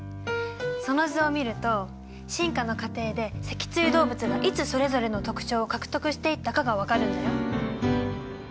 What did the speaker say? その図を見ると進化の過程で脊椎動物がいつそれぞれの特徴を獲得していったかが分かるんだよ。